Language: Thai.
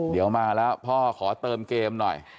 เดี๋ยวมาแล้วพ่อขอเติมเกมหน่อย